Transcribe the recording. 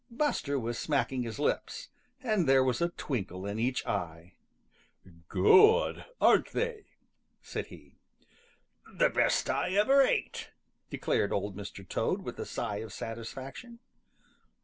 Buster was smacking his lips, and there was a twinkle in each eye. "Good, aren't they?" said he. "The best I ever ate," declared Old Mr. Toad with a sigh of satisfaction.